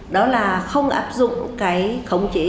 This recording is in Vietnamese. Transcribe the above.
đó là không áp dụng cái khống chế